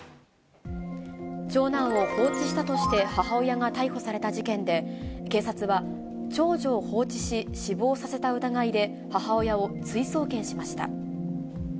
長男を放置したとして母親が逮捕された事件で、警察は、長女を放置し、死亡させた疑いで、母親を追送検しました。